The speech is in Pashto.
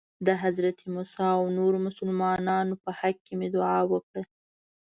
د حضرت موسی او نورو مسلمانانو په حق کې مې دعا وکړه.